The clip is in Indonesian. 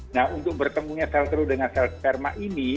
nah untuk bertemunya sel telur dengan sel sperma ini